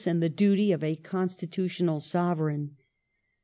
and the duty of a constitutional Sovereign.